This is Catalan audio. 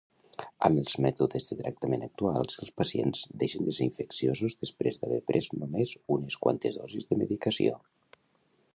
Amb els mètodes de tractament actuals els pacients deixen de ser infecciosos després d'haver pres només unes quantes dosis de medicació.